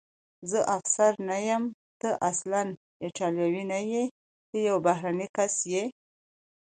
زه افسر نه یم، ته اصلاً ایټالوی نه یې، ته یو بهرنی کس یې.